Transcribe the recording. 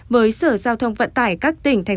với sở giao thông vận tải các tỉnh tp hcm